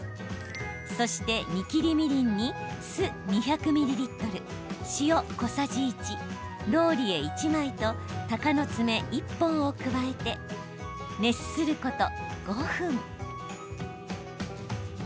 そして、煮きりみりんに酢２００ミリリットル塩、小さじ１、ローリエ１枚とたかのつめ１本を加えて熱すること５分。